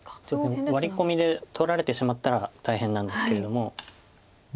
ワリ込みで取られてしまったら大変なんですけれども。